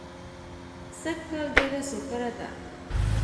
سږ کال ډېره سوکړه ده